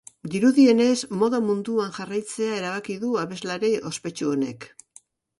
Dirudienez, moda munduan jarraitzea erabaki du abeslari ospetsu honek.